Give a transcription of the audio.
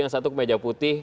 yang satu ke meja putih